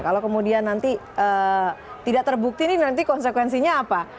kalau kemudian nanti tidak terbukti ini nanti konsekuensinya apa